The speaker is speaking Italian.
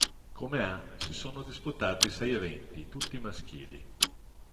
Come a si sono disputati sei eventi tutti maschili.